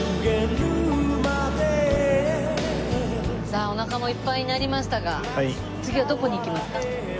さあおなかもいっぱいになりましたが次はどこに行きますか？